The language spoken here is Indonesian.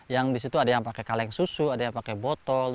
yang di situ ada yang pakai kaleng susu ada yang pakai botol